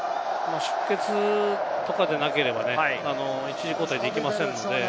出血とかでなければ一時交代できませんので。